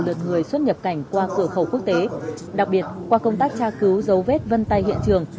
lượt người xuất nhập cảnh qua cửa khẩu quốc tế đặc biệt qua công tác tra cứu dấu vết vân tay hiện trường